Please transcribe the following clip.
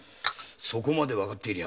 そこまでわかってりゃ。